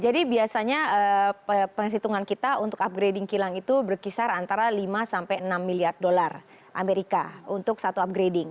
jadi biasanya penerhitungan kita untuk upgrading kilang itu berkisar antara lima sampai enam miliar dolar amerika untuk satu upgrading